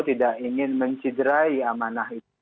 tidak ingin menciderai amanah itu